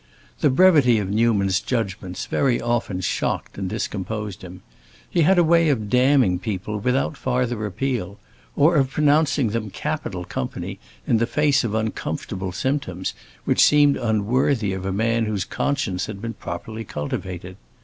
The brevity of Newman's judgments very often shocked and discomposed him. He had a way of damning people without farther appeal, or of pronouncing them capital company in the face of uncomfortable symptoms, which seemed unworthy of a man whose conscience had been properly cultivated.